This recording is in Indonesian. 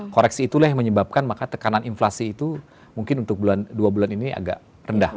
koreksi itulah yang menyebabkan maka tekanan inflasi itu mungkin untuk dua bulan ini agak rendah